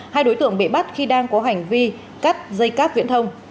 hai đối tượng bị bắt khi đang có hành vi cắt dây cáp viễn thông